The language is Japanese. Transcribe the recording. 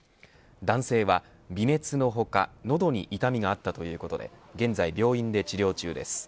男性は微熱の他喉に痛みがあったということで現在病院で治療中です。